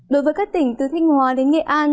đối với các tỉnh từ thanh hóa đến nghệ an